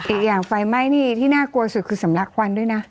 อีกอย่างไฟไหม้นี่ที่น่ากลัวสุดคือสำลักควันด้วยนะ